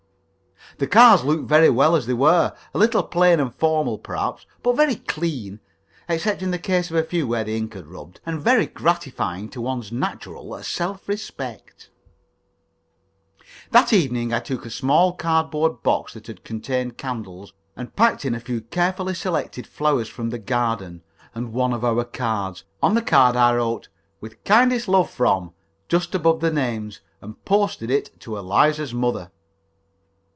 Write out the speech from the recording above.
The cards looked very well as they were, a little plain and formal, perhaps, but very clean (except in the case of a few where the ink had rubbed), and very gratifying to one's natural self respect. [Illustration: "He seemed to think it was not essential."] That evening I took a small cardboard box that had contained candles, and packed in it a few carefully selected flowers from the garden, and one of our cards. On the card I wrote "With kindest love from" just above the names, and posted it to Eliza's mother.